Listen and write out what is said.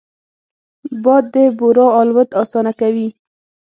باد د بورا الوت اسانه کوي